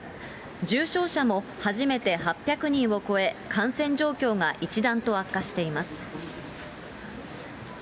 重症者も初めて８００人を超え、感染状況が一段と悪化しています。